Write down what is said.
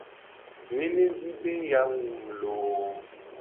Doelevi be ye la wu mu lo !